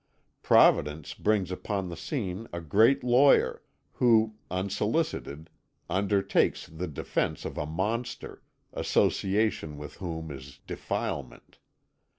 Providence brings upon the scene a great lawyer, who, unsolicited, undertakes the defence of a monster, association with whom is defilement.